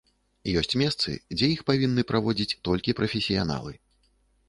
Ёсць месцы, дзе іх павінны праводзіць толькі прафесіяналы.